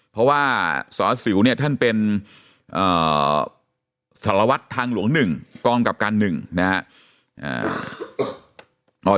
เพราะว่าสารสิ๋วเนี่ยท่านเป็นสารวัตรทางหลวงหนึ่งกรองกับการหนึ่งนะครับ